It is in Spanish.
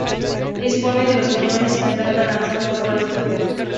Dispone de dos cañones y ataca lanzando bolas de fuego.